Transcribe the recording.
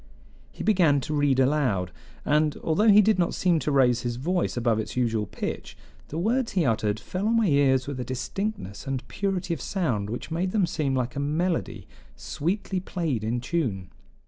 He began to read aloud, and, although he did not seem to raise his voice above its usual pitch, the words he uttered fell on my ears with a distinctness and purity of sound which made them seem like a melody "sweetly played in tune."